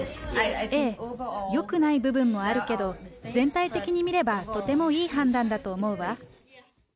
ええ、よくない部分もあるけど、全体的に見れば、とてもいい判断だと思うわ。